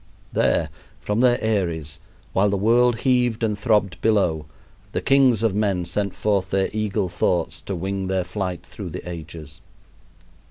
There, from their eyries, while the world heaved and throbbed below, the kings of men sent forth their eagle thoughts to wing their flight through the ages.